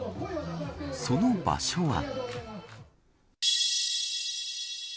その場所は。